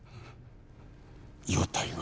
容体は？